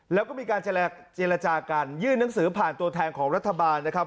แล้วก็มีการเจรจากันยื่นหนังสือผ่านตัวแทนของรัฐบาลนะครับ